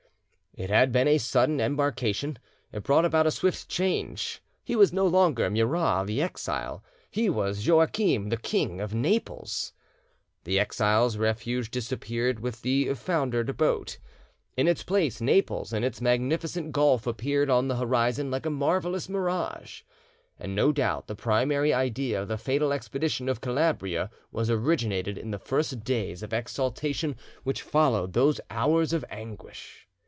It had been a sudden embarkation, it brought about a swift change: he was no longer Murat the exile; he was Joachim, the King of Naples. The exile's refuge disappeared with the foundered boat; in its place Naples and its magnificent gulf appeared on the horizon like a marvellous mirage, and no doubt the primary idea of the fatal expedition of Calabria was originated in the first days of exultation which followed those hours of anguish.